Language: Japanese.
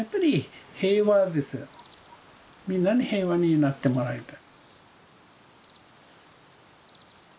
みんなに平和になってもらいたい。